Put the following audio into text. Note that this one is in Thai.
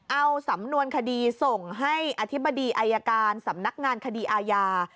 เอาสำนวนคดีส่งให้อธิบดีอายการสำนักงานคดีอาญา